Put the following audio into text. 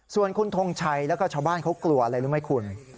ส่วนคุณทงชัยแล้วก็ชาวบ้านเขากลัวอะไรรู้ไหมคุณ